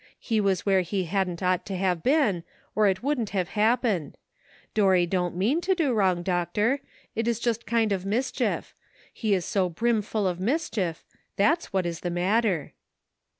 He was where he hadn't ought to have been, or it wouldn't have hap pened. Dorry don't mean to do wrong. Doctor ; it is just kind of mischief ; he is so brimful of mischief — that's what is the matter."